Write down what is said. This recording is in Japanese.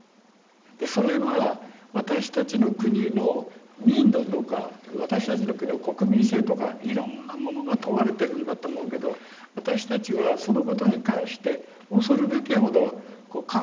それは私たちの国の民度とか私たちの国の国民性とかいろんなものが問われてるんだと思うけど私たちはそのことに関して恐るべきほど感覚が鈍い。